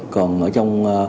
còn ở trong chế độ